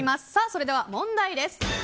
それでは、問題です。